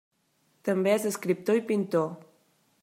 També és escriptor i pintor.